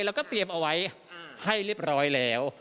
แล้วก็เตรียมเอาไว้ให้เรียบร้อยแล้ว